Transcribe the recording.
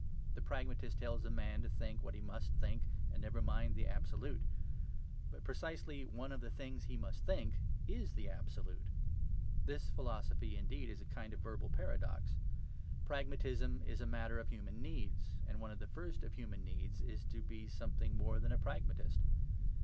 The pragmatist tells a man to think what he must think and never mind the Absolute. But precisely one of the things that he must think is the Absolute. This philosophy, indeed, is a kind of verbal paradox. Pragmatism is a matter of human needs; and one of the first of human needs is to be something more than a pragmatist.